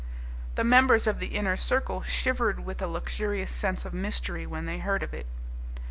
The members of the Inner Circle shivered with a luxurious sense of mystery when they heard of it.